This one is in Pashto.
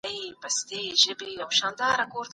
د ميرمنو نظر اورېدل او منل په شريعت کي ثبوت لري.